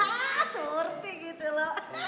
hah surti gitu lho